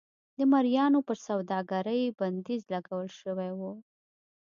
د مریانو پر سوداګرۍ بندیز لګول شوی و.